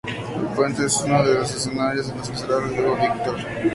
El puente es uno de los escenarios de Los miserables de Victor Hugo.